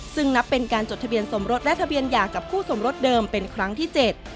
ซึ่งนับเป็นการจดทะเบียนสมรสและทะเบียนหย่ากับคู่สมรสเดิมเป็นครั้งที่เจ็ด